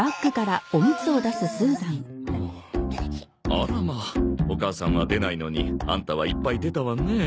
あらまあお母さんは出ないのにアンタはいっぱい出たわねえ。